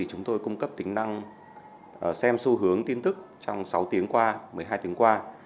chúng tôi cung cấp tính năng xem xu hướng tin tức trong sáu tiếng qua một mươi hai tiếng qua